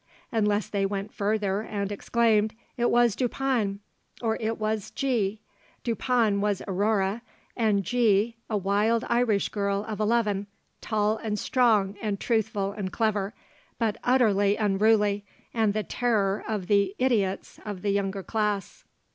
unless they went further and exclaimed, 'It was Dupin,' or 'it was G.' 'Dupin' was Aurore, and 'G.' a wild Irish girl of eleven, tall and strong and truthful and clever, but utterly unruly, and the terror of the 'idiots' of the younger class.